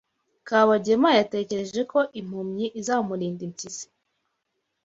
Kabagema yatekereje ko impumyi izamurinda impyisi.